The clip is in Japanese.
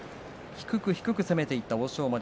低く低く攻めていった欧勝馬。